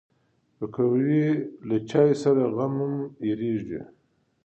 پکورې له چای سره غم هم هېرېږي